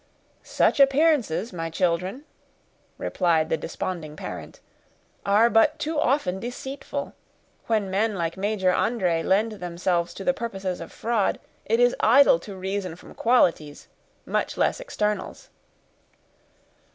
"Such appearances, my children," replied the desponding parent, "are but too often deceitful; when men like Major André lend themselves to the purposes of fraud, it is idle to reason from qualities, much less externals."